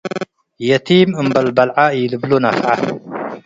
የቲም እምበል በልዐ ኢልብሎ ነፍዐ።